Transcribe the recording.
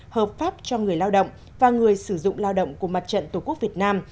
hợp pháp cho người lao động và người sử dụng lao động của mặt trận tổ quốc việt nam